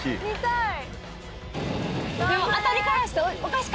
見たい！